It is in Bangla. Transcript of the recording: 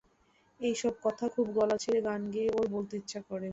এই-সব কথা খুব গলা ছেড়ে গান গেয়ে ওর বলতে ইচ্ছে করে।